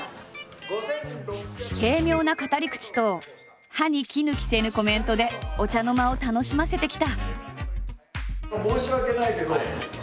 軽妙な語り口と歯に衣着せぬコメントでお茶の間を楽しませてきた。